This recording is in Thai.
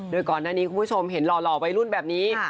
โดยก่อนหน้านี้คุณผู้ชมเห็นหล่อวัยรุ่นแบบนี้